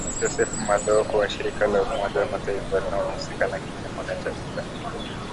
Joseph Mathooko wa Shirika la Umoja wa Mataifa linalohusika na Kilimo na Chakula